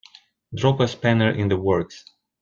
Drop a spanner in the works